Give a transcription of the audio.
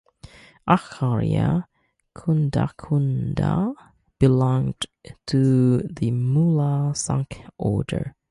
"Acharya Kundakunda" belonged to the Mula Sangh order.